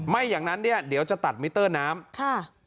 ไม่อย่างนั้นเดี๋ยวจะตัดมิเตอร์น้ำ